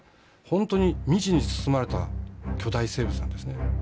本当に未知に包まれた巨大生物なんですね。